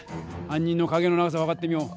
犯人の影の長さをはかってみよう。